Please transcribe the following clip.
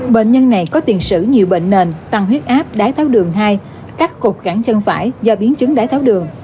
bệnh nhân này có tiền sử nhiều bệnh nền tăng huyết áp đái tháo đường hai cắt cục gắn chân phải do biến chứng đáy tháo đường